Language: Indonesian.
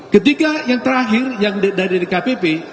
ketika yang terakhir yang dari dkpp